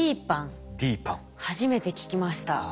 初めて聞きました。